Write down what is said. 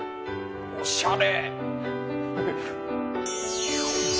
おしゃれ！